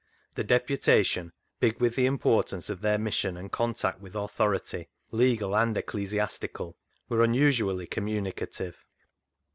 The deputation, big with the importance of their mission and con tact with authority, legal and ecclesiastical, were unusually communicative.